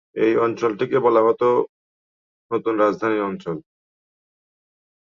এই অঞ্চলটিকে বলা হত নতুন রাজধানী অঞ্চল।